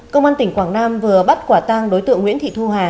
công an tp quảng nam vừa bắt quả tăng đối tượng nguyễn thị thu hà